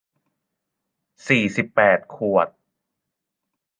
สี่สิบแปดขวด